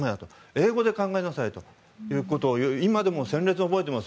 英語で考えなさいということを言う今でも鮮烈に覚えています